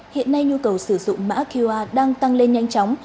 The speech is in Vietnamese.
hiện nay nhu cầu sử dụng mã qr đang tăng lên nhanh chóng